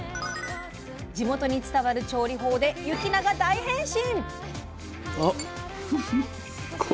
地元に伝わる調理法で雪菜が大変身！